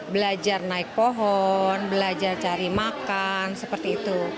belajar naik pohon belajar cari makan seperti itu